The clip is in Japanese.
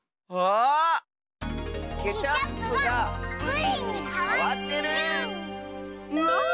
ケチャップがプリンにかわってる！ウォウ！